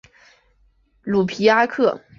卢皮阿克。